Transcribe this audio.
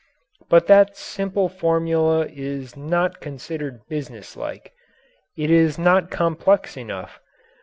But that simple formula is not considered business like. It is not complex enough.